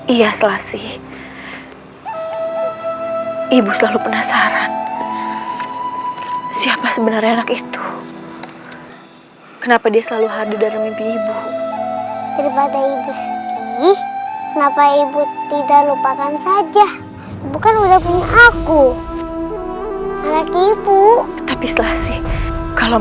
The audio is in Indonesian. iya selah sih ibu selalu penasaran siapa sebenarnya anak itu kenapa dia selalu hadir dalam mimpi ibu